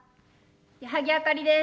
矢作あかりです。